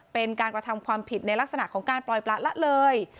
เป็นการกระทำความผิดในลักษณะของการปล่อยประละเลย